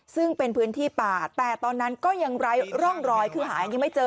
ซึ่งเป็นพื้นที่ป่าแต่ตอนนั้นก็ยังไร้ร่องรอยคือหายังไม่เจอ